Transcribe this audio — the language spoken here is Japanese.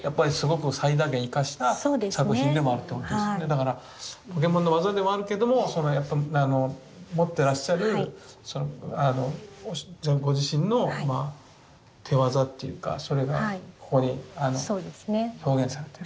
だからポケモンの技でもあるけども持ってらっしゃるご自身の手わざっていうかそれがここに表現されてる遺憾なく。